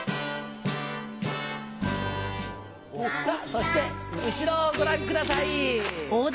そして後ろをご覧ください。